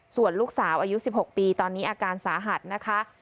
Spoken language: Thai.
ส่วนลูกสาวอายุ๑๖ปีตอนนี้อาการสาหัสนะคะ